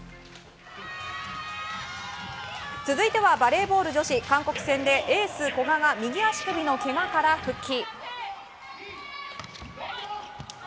続いてはバレーボール女子韓国戦でエース古賀が右足首のけがから復帰。